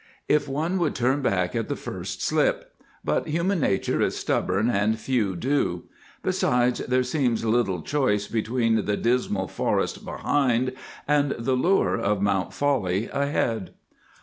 If one would turn back at the first slip, but human nature is stubborn and few do; besides there seems little choice between the dismal forest behind and the lure of Mt. Folly ahead.